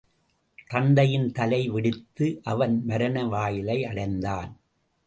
தந்தையின் தலை வெடித்து அவனும் மரண வாயிலை அடைந்தான்.